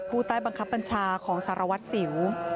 ผู้ใต้บังคับบัญชาของสารวัตรสิว